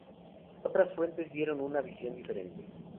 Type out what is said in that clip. Otras fuentes dieron una visión diferente.